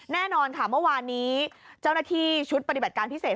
แน่นอนค่ะเมื่อวานนี้เจ้าหน้าที่ชุดปฏิบัติการพิเศษ